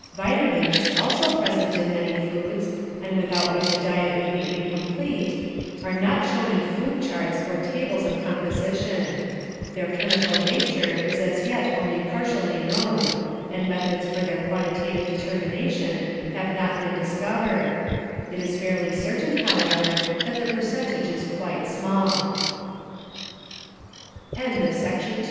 Vitamins, also present in many foods, and without which a diet would be incomplete, are not shown in food charts or tables of compo sition. Their chemical nature is as yet only partially Vitamins known, and methods for their quantitative determination have not been discovered; it is fairly certain, however, that the perc